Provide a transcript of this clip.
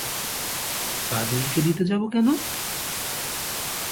পাদ্রিকে দিতে যাব কেন!